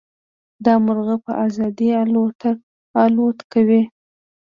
دا مرغه په ازادۍ الوت کوي.